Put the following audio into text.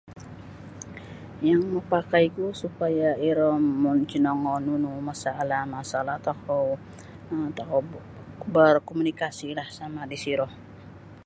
Yang mapakai ku supaya iro mongkinongou nunu masalah-masalah tokou um tokou berkomunikasilah sama di siro.